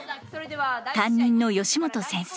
担任の吉本先生。